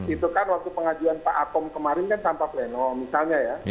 itu kan waktu pengajuan pak akom kemarin kan tanpa pleno misalnya ya